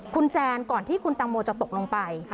คุณแซนก่อนที่คุณตังโมจะตกลงไป